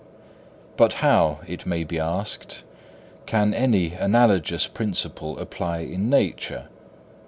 But how, it may be asked, can any analogous principle apply in nature?